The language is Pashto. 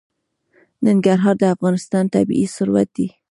ننګرهار د افغانستان طبعي ثروت دی.